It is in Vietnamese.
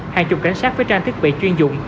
hàng chục cảnh sát với trang thiết bị chuyên dụng